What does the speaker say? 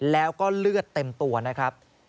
แล้วก็เลือดเต็มตัวนะครับ